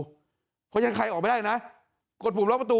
เพราะฉะนั้นใครออกไปได้นะกดปุ่มล็อคประตู